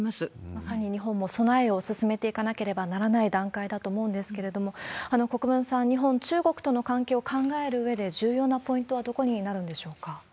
まさに日本も備えを進めていかなければならない段階だと思いますけれども、国分さん、日本、中国との関係を考えるうえで、重要なポイントはどこになるんでし